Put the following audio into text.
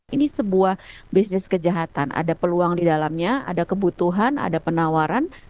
ini sebuah bisnis kejahatan ada peluang di dalamnya ada kebutuhan ada penawaran